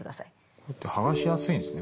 これって剥がしやすいんですね